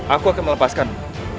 aku akan melepaskanmu